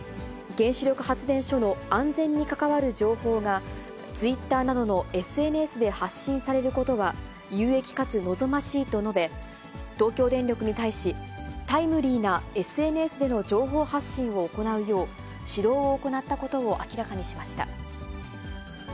原子力発電所の安全に関わる情報がツイッターなどのＳＮＳで発信されることは、有益かつ望ましいと述べ、東京電力に対し、タイムリーなＳＮＳでの情報発信を行うよう、指導を行ったことを明らかにしました。